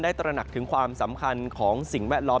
ตระหนักถึงความสำคัญของสิ่งแวดล้อม